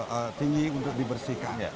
hal yang paling tinggi untuk dibersihkan